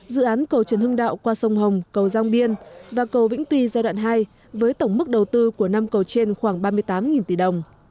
dự án cầu trần hưng đạo qua sông hồng cầu giang biên và cầu vĩnh tuy giai đoạn hai với tổng mức đầu tư của năm cầu trên khoảng ba mươi tám tỷ đồng